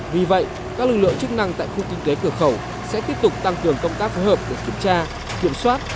vì vậy các lực lượng chức năng tại khu kinh tế cửa khẩu sẽ tiếp tục tăng cường công tác phối hợp để kiểm tra kiểm soát